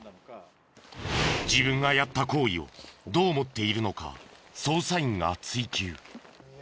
自分がやった行為をどう思っているのか捜査員が追及。